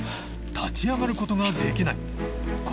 立ち上がることができない磴